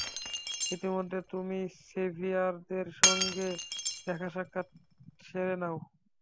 ইতোমধ্যে তুমি সেভিয়ারদের সঙ্গে দেখাসাক্ষাৎ সেরে নাও।